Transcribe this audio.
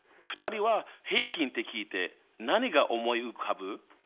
２人は平均って聞いて何が思い浮かぶ？